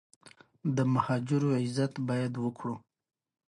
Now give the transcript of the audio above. دا ډلبندي له هغه ځایه راولاړېږي.